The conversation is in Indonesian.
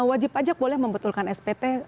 wajib pajak boleh membetulkan spt